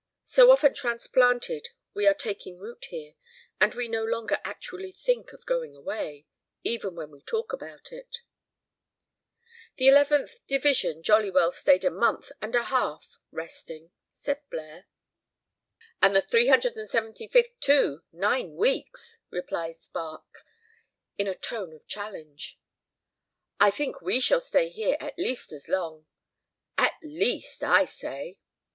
So often transplanted, we are taking root here, and we no longer actually think of going away, even when we talk about it. "The 11th Division jolly well stayed a month and a half resting," says Blaire. "And the 375th, too, nine weeks!" replies Barque, in a tone of challenge. "I think we shall stay here at least as long at least, I say."